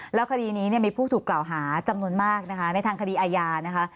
แล้วคดีนี้มีผู้ถูกกล่าวหาจำนวนมากนะคะในทางคดีอาญานะคะ